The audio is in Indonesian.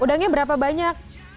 udangnya berapa banyak